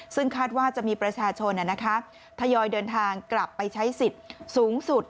ซึ่งคาดว่าจะมีประชาชนทยอยเดินทางกลับไปใช้สิทธิ์สูงสุด